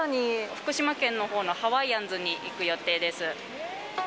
福島県のほうのハワイアンズに行く予定です。